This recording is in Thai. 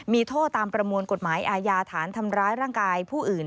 มีโทษตามประมวลกฎหมายอาญาฐานทำร้ายร่างกายผู้อื่น